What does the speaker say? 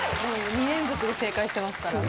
２連続で正解してますから。